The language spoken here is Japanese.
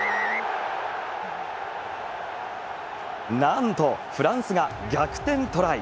なんとフランスが逆転トライ。